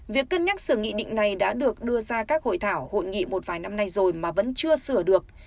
việc cân nhắc sửa nghị định này đã được đưa ra các hội thảo hội nghị một vài năm nay rồi mà vẫn chưa sửa được